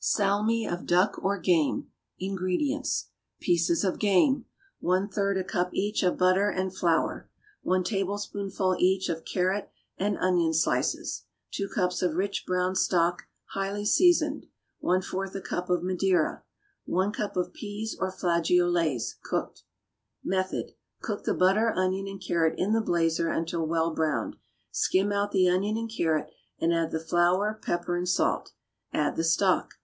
=Salmi of Duck or Game.= INGREDIENTS. Pieces of game. 1/3 a cup, each, of butter and flour. 1 tablespoonful, each, of carrot and onion slices. 2 cups of rich brown stock, highly seasoned. 1/4 a cup of madeira. 1 cup of peas or flageolets, cooked. Method. Cook the butter, onion and carrot in the blazer until well browned. Skim out the onion and carrot and add the flour, pepper and salt. Add the stock.